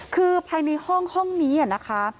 คือภายในห้องนี้นะคะ